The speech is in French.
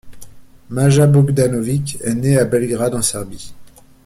Maja Bogdanovic est née à Belgrade, en Serbie.